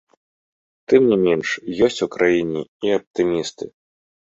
Тым не менш, ёсць у краіне і аптымісты.